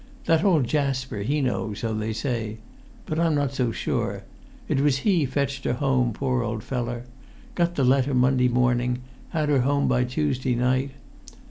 That old Jasper, he know, so they say; but I'm not so sure. It was he fetched her home, poor old feller; got the letter Monday morning, had her home by Tuesday night.